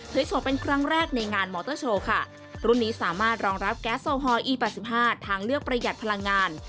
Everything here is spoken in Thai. โชว์เป็นครั้งแรกในงานมอเตอร์โชว์ค่ะรุ่นนี้สามารถรองรับแก๊สโซฮอลอีปา๑๕ทางเลือกประหยัดพลังงาน